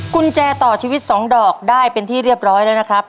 กุญแจต่อชีวิต๒ดอกได้เป็นที่เรียบร้อยแล้วนะครับ